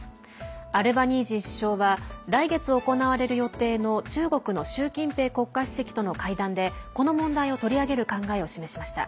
アルバニージー首相は来月行われる予定の中国の習近平国家主席との会談でこの問題を取り上げる考えを示しました。